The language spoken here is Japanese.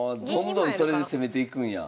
どんどんそれで攻めていくんや。